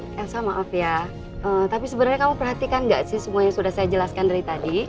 saya maaf ya tapi sebenarnya kamu perhatikan nggak sih semua yang sudah saya jelaskan dari tadi